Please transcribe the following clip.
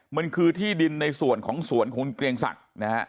มันคือที่ดินในส่วนของสวนคุณเกรียงศักดิ์นะฮะ